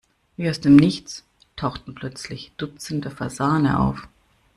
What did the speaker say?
Wie aus dem Nichts tauchten plötzlich dutzende Fasane auf.